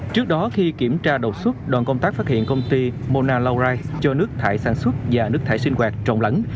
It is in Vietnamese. trước đó khi kiểm tra đầu xuất đoàn công tác phát hiện công ty monat lauri cho nước thải sản xuất và nước thải sinh hoạt trộn lẫn